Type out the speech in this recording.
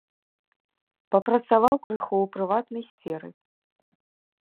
Папрацаваў крыху ў прыватнай сферы.